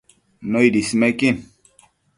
Nëid ismequin